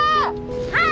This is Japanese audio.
はい！